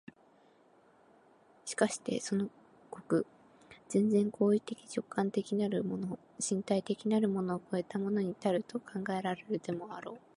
しかしてその極、全然行為的直観的なるもの、身体的なるものを越えたものに到ると考えられるでもあろう。